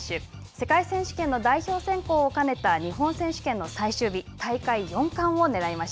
世界選手権の代表選考を兼ねた日本選手権の最終日。